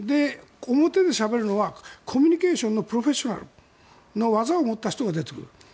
表でしゃべるのはコミュニケーションのプロフェッショナルの技を持った人が出てくる。